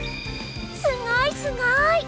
すごいすごい！